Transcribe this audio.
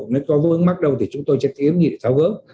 nếu có vô ứng mắc đâu thì chúng tôi sẽ thiếu nghị để tháo gớm